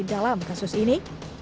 dalam kasus ini